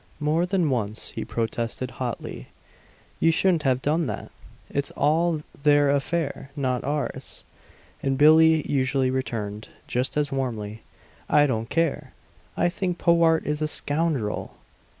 More than once he protested hotly, "You shouldn't have done that! It's all their affair, not ours!" And Billie usually returned, just as warmly, "I don't care! I think Powart is a scoundrel!"